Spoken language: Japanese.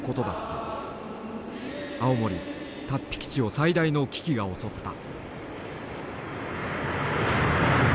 青森竜飛基地を最大の危機が襲った。